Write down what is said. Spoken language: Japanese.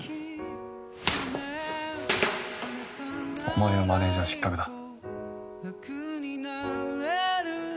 お前はマネージャー失格だ。